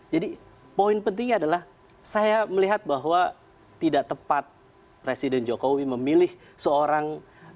jadi poin pentingnya adalah saya melihat bahwa tidak tepat presiden jokowi memilih seorang